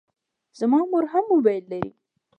زما مور هم موبایل لري.